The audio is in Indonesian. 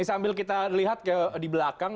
sambil kita lihat di belakang